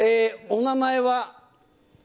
お名前は。